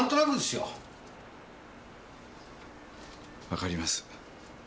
わかります。